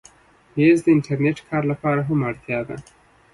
مېز د انټرنېټ کار لپاره هم اړتیا ده.